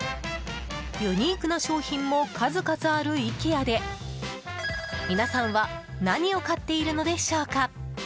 ユニークな商品も数々あるイケアで皆さんは何を買っているのでしょうか。